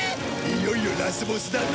いよいよラスボスだな。